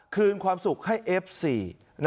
คืนความสุขให้เอฟซี